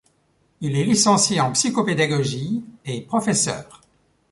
Il est licencié en psycho-pédagogie et professeur.